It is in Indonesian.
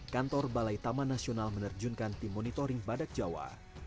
kantor balai taman nasional menerjunkan tim monitoring badak jawa